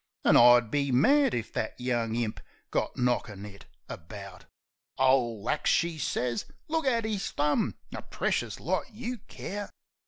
An' I'd be mad if that young imp got knockin' it about." "Ole axe!" she sez. "Look at 'is thumb! A precious lot you care